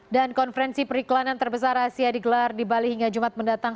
dan konferensi periklanan terbesar asia dikelar di bali hingga jumat mendatang